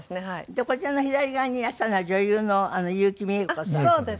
でこちらの左側にいらっしゃるのが女優の結城美栄子さん。